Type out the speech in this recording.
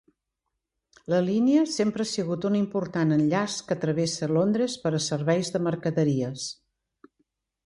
La línia sempre ha sigut un important enllaç que travessa Londres per a serveis de mercaderies.